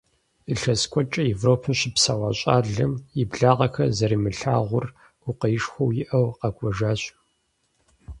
Илъэс куэдкӀэ Европэм щыпсэуа щӏалэм, и благъэхэр зэримылъагъур гукъеуэшхуэу иӀэу, къэкӀуэжащ.